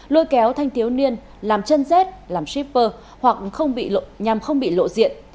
lôi kéo thanh tiếu niên làm chân zét làm shipper hoặc nhằm không bị lộ diện